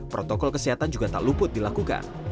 protokol kesehatan juga tak luput dilakukan